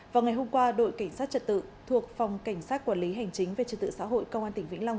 vào ngày hôm qua đội cảnh sát trật tự thuộc phòng cảnh sát quản lý hành chính về trật tự xã hội công an tỉnh vĩnh long